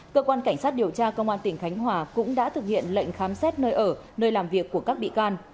cơ quan cảnh sát điều tra công an tỉnh khánh hòa cũng đã thực hiện lệnh khám xét nơi ở nơi làm việc của các bị can